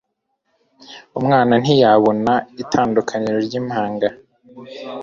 umwana ntiyabona itandukanirizo ry’impanga.